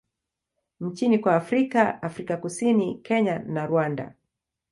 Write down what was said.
nchini kwa Afrika Afrika Kusini, Kenya na Rwanda.